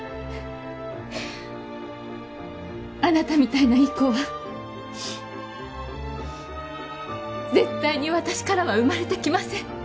あなたみたいないい子は絶対に私からは生まれてきません